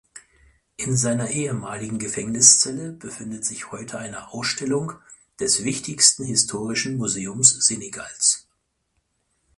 In seiner ehemaligen Gefängniszelle befindet sich heute eine Ausstellung des wichtigsten historischen Museums Senegals.